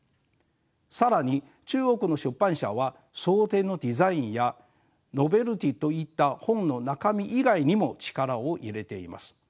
更に中国の出版社は装丁のデザインやノベルティーといった本の中身以外にも力を入れています。